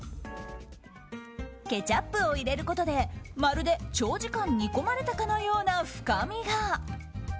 ケチャップを入れることでまるで長時間煮込まれたかのような深みが。